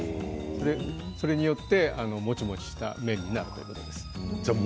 それによってもちもちした麺ができるということです。